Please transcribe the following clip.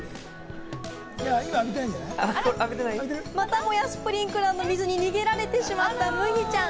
またもやスプリンクラーの水に逃げられてしまった、むぎちゃん。